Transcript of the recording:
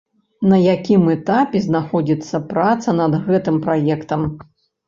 На якім этапе знаходзіцца праца над гэтым праектам?